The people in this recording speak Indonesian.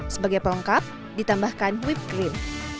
sebagai pelengkap ditambahkan whippe cream